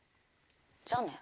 じゃあね。